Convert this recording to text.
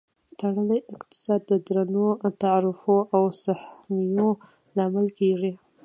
تړلی اقتصاد د درنو تعرفو او سهمیو لامل کیږي.